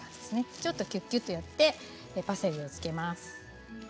ちょっとキュッキュッとやってパセリをつけます。